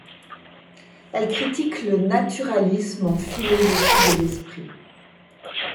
Elle critique le naturalisme en philosophie de l'esprit.